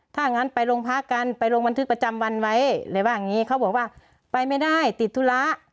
ถ้างั้นไปโรงพักกันไปลงบันทึกประจำวันไว้เลยว่าอย่างนี้เขาบอกว่าไปไม่ได้ติดธุระ